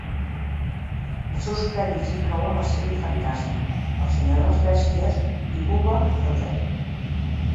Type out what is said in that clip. Els seus crèdits inclouen la sèrie "Fantasma", "El senyor de les bèsties" i "Bubba Ho-Tep".